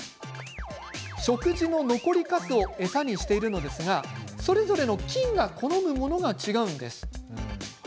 食事の残りかすを餌にしているのですがそれぞれの菌が好むものが違うんです。